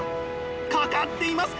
かかっています！